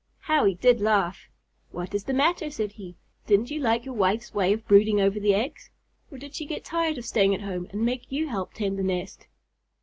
How he did laugh! "What is the matter?" said he. "Didn't you like your wife's way of brooding over the eggs? Or did she get tired of staying at home and make you help tend the nest?"